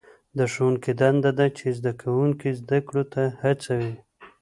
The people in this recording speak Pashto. د ښوونکي دنده ده چې زده کوونکي زده کړو ته هڅوي.